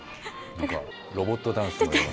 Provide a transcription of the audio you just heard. ロボットダンスのような。